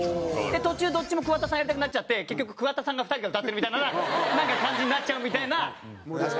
途中どっちも桑田さんやりたくなっちゃって結局桑田さんが２人歌ってるみたいな感じになっちゃうみたいなこの歌は。